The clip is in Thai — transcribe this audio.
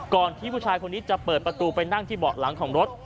ที่ผู้ชายคนนี้จะเปิดประตูไปนั่งที่เบาะหลังของรถ